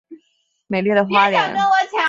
美丽的花莲